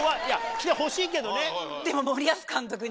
来てほしいけどね。